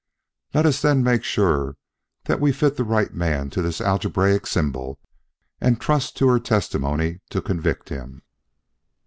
Let us then make sure that we fit the right man to this algebraic symbol, and trust to her testimony to convict him."